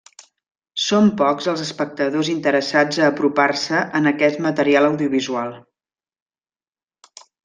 Són pocs els espectadors interessats a apropar-se en aquest material audiovisual.